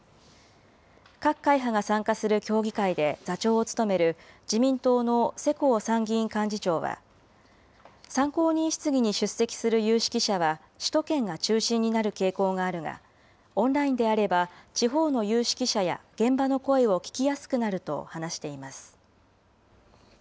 各会派が参加する協議会で座長を務める自民党の世耕参議院幹事長は、参考人質疑に出席する有識者は首都圏が中心になる傾向があるが、オンラインであれば、地方の有識者や現場の声を聴きやすくなると話しています。